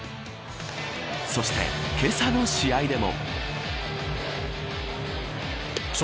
そして、けさの試合でも。